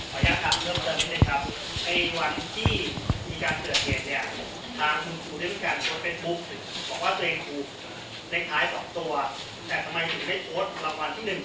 ก่อนยากครับก่อนยากครับประเด็นพวกเนี่ยอยู่ในสำนวนขอกรมให้ตอบเพราะกันครับ